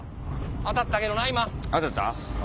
あたったけどな今。